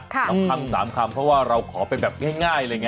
เอาคำสามคำเพราะว่าเราขอเป็นแบบง่าย